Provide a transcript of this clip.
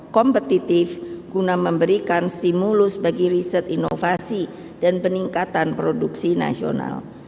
kompetitif guna memberikan stimulus bagi riset inovasi dan peningkatan produksi nasional